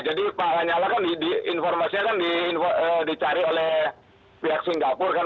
jadi pak lanyala kan informasinya kan dicari oleh pihak singapura kan